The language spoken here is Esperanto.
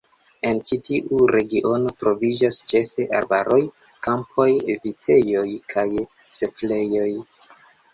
En ĉi tiu regiono troviĝas ĉefe arbaroj, kampoj, vitejoj kaj setlejoj.